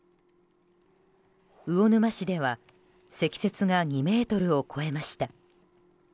魚沼市では積雪が２ｍを超えました。